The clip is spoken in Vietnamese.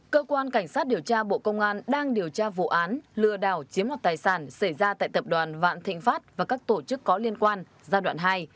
cơ quan cảnh sát điều tra bộ công an đang điều tra vụ án lừa đảo chiếm hoạt tài sản xảy ra tại tập đoàn vạn thịnh pháp và các tổ chức có liên quan giai đoạn hai